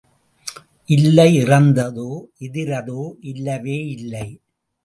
இல்லை இறந்ததோ எதிரதோ இல்லவேயில்லை.